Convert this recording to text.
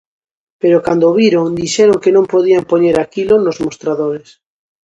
Pero cando o viron, dixeron que non podían poñer aquilo nos mostradores.